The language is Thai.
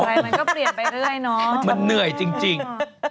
มันก็เปลี่ยนไปเรื่อยเนาะมันเหนื่อยจริง